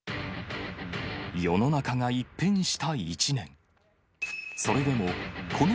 世の中が一変した１年。